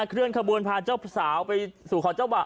เคลื่อนขบวนพาเจ้าสาวไปสู่ขอเจ้าบ่าว